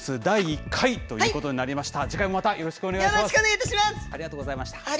第１回ということになりました。